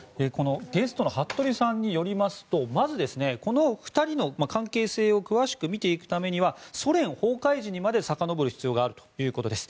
ゲストの服部さんによりますとまず、この２人の関係性を詳しく見ていくためにはソ連崩壊時にまでさかのぼる必要があるということです。